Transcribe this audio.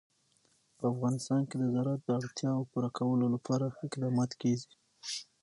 په افغانستان کې د زراعت د اړتیاوو پوره کولو لپاره اقدامات کېږي.